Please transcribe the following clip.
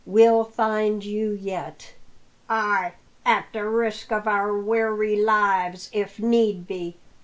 we'll find you yet!" "Ay, at the risk of our wery lives, if need be!"